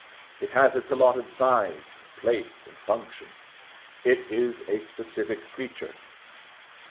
It has its allotted size, and place, and function; it is a specific creature.